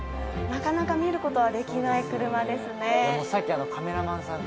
なかなか見ることはできない車ですね